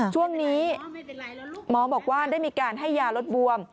ช่วงนี้หมอบอกว่าได้มีการให้ยาลดบวม